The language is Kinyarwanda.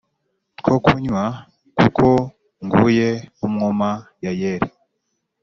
two kunywa kuko nguye umwuma Yayeli